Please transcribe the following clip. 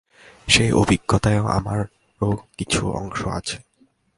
সেই অভিজ্ঞতায় আমারও কিছু অংশ আছে।